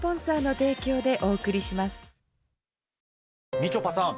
みちょぱさん